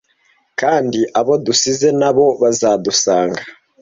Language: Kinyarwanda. kandi abo dusize nabo bazadusanga